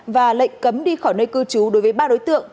và lệnh cấm đi khỏi nơi cư trú đối với ba đối tượng